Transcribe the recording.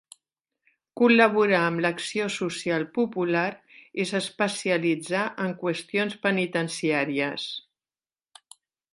Col·laborà amb l'Acció Social Popular i s'especialitzà en qüestions penitenciàries.